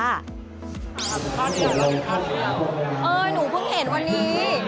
เออหนูเพิ่งเห็นวันนี้